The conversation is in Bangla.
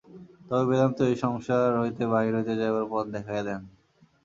তবে বেদান্ত এই সংসার হইতে বাহিরে যাইবার পথ দেখাইয়া দেন।